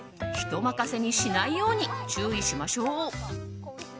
人任せにしないように注意しましょう。